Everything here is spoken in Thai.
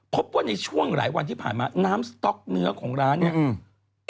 พบว่าในช่วงหลายวันที่ผ่านมาน้ำสต๊อกเนื้อของร้านเนี่ย